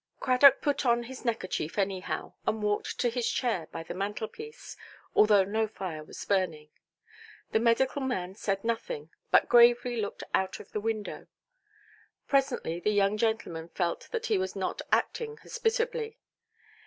Cradock put on his neckerchief anyhow, and walked to his chair by the mantelpiece, although no fire was burning. The medical man said nothing, but gravely looked out of the window. Presently the young gentleman felt that he was not acting hospitably.